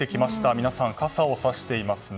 皆さん、傘をさしていますね。